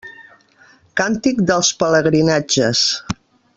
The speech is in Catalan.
Càntic dels pelegrinatges.